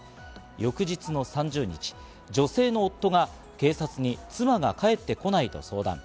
翌日の３０日、女性の夫が警察に妻が帰ってこないと相談。